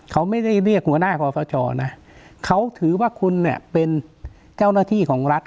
เขาไม่ได้เรียกหัวหน้าคอฟชนะเขาถือว่าคุณเนี่ยเป็นเจ้าหน้าที่ของรัฐ